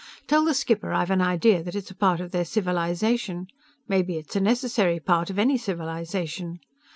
Tell the skipper I've an idea that it's a part of their civilization maybe it's a necessary part of any civilization!